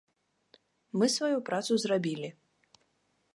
Мы сваю працу зрабілі.